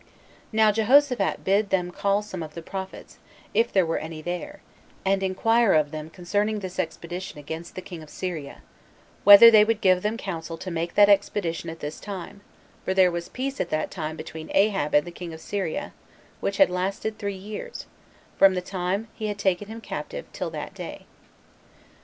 Now Jehoshaphat bid them call some of the prophets, if there were any there, and inquire of them concerning this expedition against the king of Syria, whether they would give them counsel to make that expedition at this time, for there was peace at that time between Ahab and the king of Syria, which had lasted three years, from the time he had taken him captive till that day.